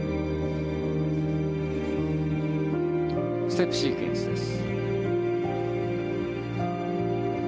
ステップシークエンスです。